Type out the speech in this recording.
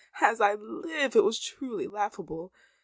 As I live, it was truly laughable.